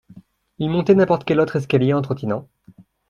Il montait n’importe quel autre escalier en trottinant